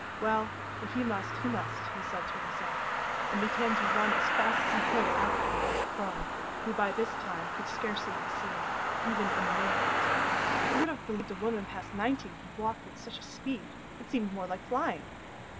Well, if he must, he must, he said to himself, and began to run as fast as he could after the old crone, who by this time could scarcely be seen, even in the moonlight. Who would have believed a woman past ninety could walk with such speed? It seemed more like flying!